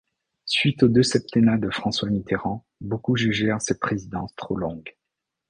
Suite aux deux septennats de François Mitterrand, beaucoup jugèrent cette présidence trop longue.